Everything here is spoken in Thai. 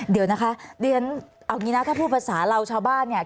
เดี๋ยวนะคะเอางี้นะถ้าผู้ประสาหร่าวชาวบ้านเนี่ย